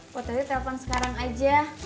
kok tadi telpon sekarang aja